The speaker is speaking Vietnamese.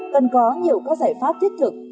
cần có nhiều các giải pháp thiết thực